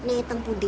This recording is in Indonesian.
saya terlalu sakit